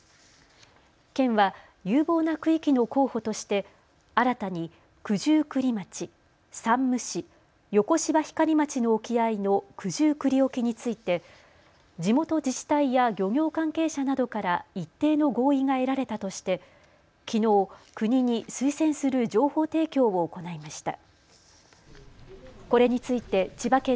県は有望な区域の候補として新たに九十九里町、山武市、横芝光町の沖合の九十九里沖について地元自治体や漁業関係者などから一定の合意が得られたとしてきのう国に推薦する情報提供を行いました。